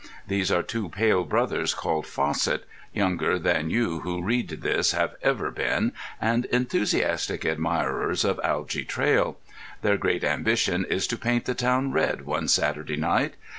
These are two pale brothers called Fossett, younger than you who read this have ever been, and enthusiastic admirers of Algy Traill. Their great ambition is to paint the town red one Saturday night.